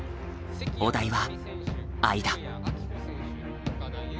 お題は「間」。